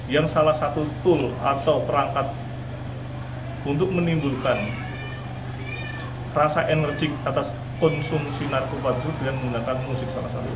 yang salah satu tool atau perangkat untuk menimbulkan rasa enerjik atas konsumsi narkoba tersebut dengan menggunakan musik salah satu